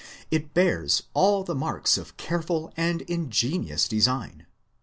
It bears all the marks of careful and ingenious design.